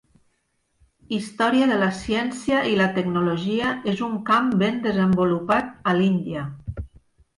Història de la ciència i la tecnologia és un camp ben desenvolupat a l'Índia.